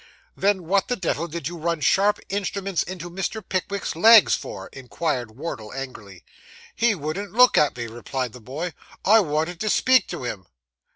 'Then, what the devil did you run sharp instruments into Mr. Pickwick's legs for?' inquired Wardle angrily. 'He wouldn't look at me,' replied the boy. 'I wanted to speak to him.